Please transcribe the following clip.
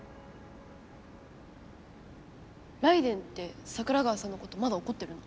ライデェンって桜川さんのことまだおこってるの？